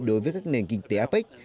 đối với các nền kinh tế apec